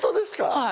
はい。